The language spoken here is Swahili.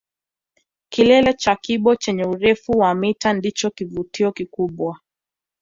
Kilele cha Kibo chenye urefu wa mita ndicho kivutio kikubwa